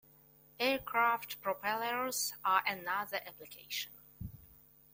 Aircraft propellers are another application.